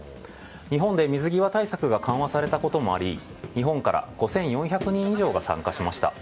日本で水際対策が緩和されたこともあり日本から５４００人以上が参加しました。